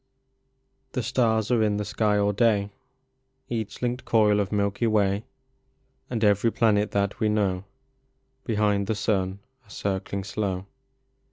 HE stars are in the sky all day ; Each linked coil of Milky Way, And every planet that we know, Behind the sun are circling slow.